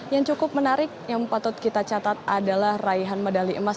yang cukup menarik yang patut kita catat adalah raihan medali emas